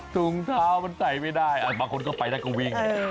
ถุงเท้ามันใส่ไม่ได้บางคนก็ไปแล้วก็วิ่ง